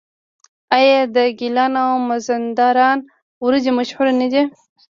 آیا د ګیلان او مازندران وریجې مشهورې نه دي؟